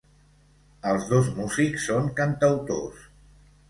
Els dos músics són cantautors.